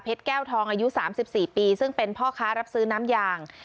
เพชรแก้วทองอายุสามสิบสี่ปีซึ่งเป็นพ่อค้ารับซื้อน้ำยาง